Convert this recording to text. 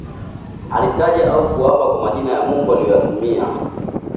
alitaja au kuapa kwa majina ya Mungu yanayotumiwa